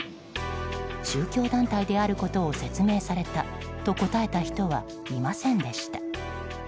宗教団体であることを説明されたと答えた人はいませんでした。